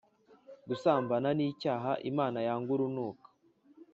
Gusambana ni icyaha imana yanga urunuka